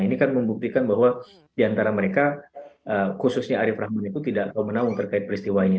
nah ini kan membuktikan bahwa di antara mereka khususnya arief rahman itu tidak pernah memberikan peristiwa ini